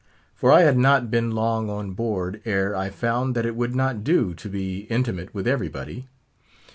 For I had not been long on board ere I found that it would not do to be intimate with everybody.